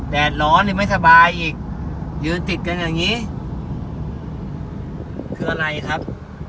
แดดร้อนหรือไม่สบายอีกยืนติดกันอย่างนี้คืออะไรครับ